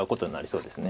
そうですね。